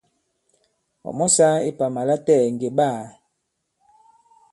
Ɔ̀ mɔ sāā ipàmà latɛɛ̀ ŋgè ɓaā.